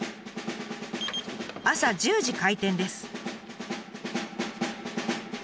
朝１０時開店です。